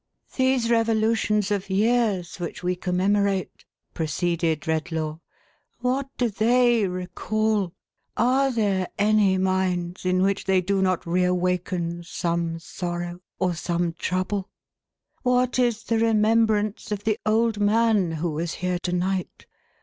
" These revolutions of years, which we commemorate,'11 pro ceeded Redlaw, " what do tliey recall ! Are there any minds in which they do not re awaken some sorrow, or some trouble ? What is the remembrance of the old man who was here to night